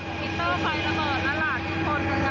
มัตเตอร์เอามันระเบิดเหรอ